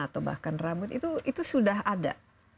atau bahkan rambut itu sudah ada